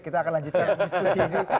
kita akan lanjutkan diskusi ini